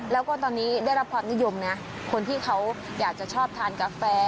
แล้วก็ตอนนี้ได้รับความนิยมนะคนที่เขาอยากจะชอบทานกาแฟ